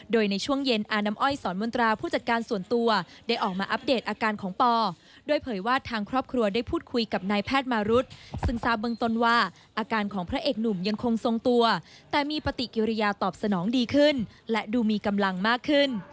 โดยในช่วงเย็นอาน้ำอ้อยสอนมนตราผู้จัดการส่วนตัวได้ออกมาอัปเดตอาการของปอด้วยเผยว่าทางครอบครัวได้พูดคุยกับนายแพทย์มารุธซึ่งทราบเบื้องต้นว่าอาการของพระเอกหนุ่มยังคงทรงตัวแต่มีปฏิกิริยาตอบสนองดีขึ้นและดูมีกำลังมากขึ้น